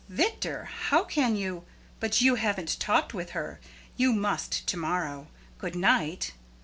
"Victor! How can you? But you haven't talked with her. You must to morrow. Good night."